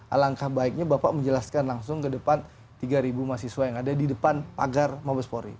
alangkah baiknya bapak menjelaskan langsung ke depan tiga mahasiswa yang ada di depan pagar mabespori